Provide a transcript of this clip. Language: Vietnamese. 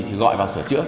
thì gọi vào sửa chữa